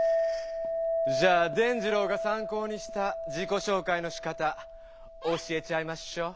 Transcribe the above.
じゃあ伝じろうがさん考にした自己紹介のしかた教えちゃいましょう！